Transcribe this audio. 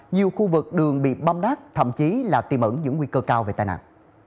nhiều khu vực đường bị bom đát thậm chí là tìm ẩn những nguy cơ cao về tai nạn